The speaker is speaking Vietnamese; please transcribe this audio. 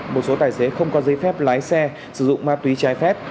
một số tài xế không có giấy phép lái xe sử dụng ma túy trái phép